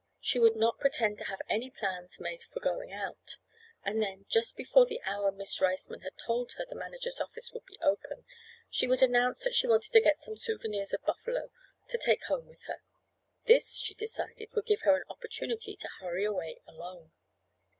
She would not pretend to have any plans made for going out, and then, just before the hour Miss Riceman had told her the manager's office would be open, she would announce that she wanted to get some souvenirs of Buffalo to take home with her. This, she decided, would give her an opportunity to hurry away alone.